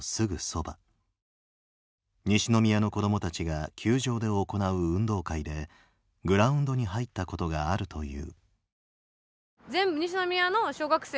西宮の子どもたちが球場で行う運動会でグラウンドに入ったことがあるという。